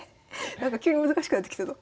なんか急に難しくなってきたぞ。